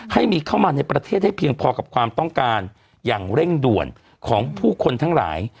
ให้มีเข้ามาในประเทศให้เพียงพอกับความต้องการอย่างเร่งด่วนของผู้คนทั้งหลาย